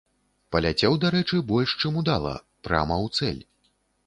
Паляцеў, дарэчы, больш чым удала прама ў цэль.